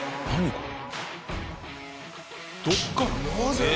これ。